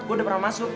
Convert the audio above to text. gue udah pernah masuk